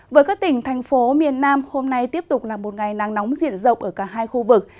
với các tỉnh thành phố miền nam hôm nay tiếp tục là một ngày nắng nóng diện rộng ở cả hai khu vực